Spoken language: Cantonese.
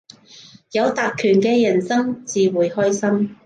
有特權嘅人生至會開心